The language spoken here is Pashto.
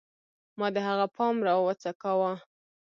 ما د هغه پام راوڅکاوه